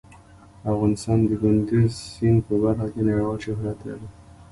افغانستان د کندز سیند په برخه کې نړیوال شهرت لري.